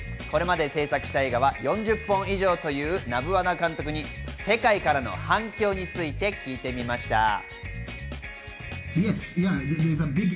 これまで制作した映画は４０本以上というナブワナ監督に世界からの反響について聞いてみました。